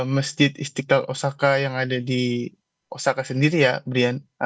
masjid istiqlal osaka yang ada di osaka sendiri ya brian